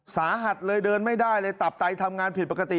สาหัสเลยเดินไม่ได้เลยตับไตทำงานผิดปกติ